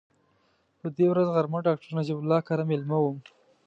په دې ورځ غرمه ډاکټر نجیب الله کره مېلمه وم.